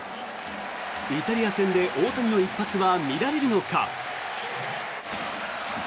イタリア戦で大谷の一発は見られるのか。